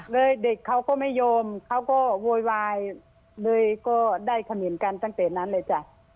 เด็กเขาก็ไม่ยอมเขาก็โวยวายเลยก็ได้เขมรกันตั้งแต่นั้นเลยจ้ะ